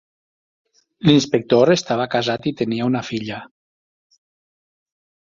L'inspector estava casat i tenia una filla.